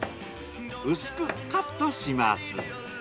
薄くカットします。